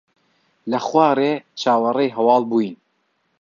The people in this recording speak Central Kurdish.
لە خوارێ چاوەڕێی هەواڵ بووین.